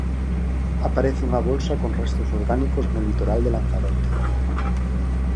Aparece unha bolsa con restos orgánicos no litoral de Lanzarote.